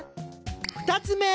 ２つ目。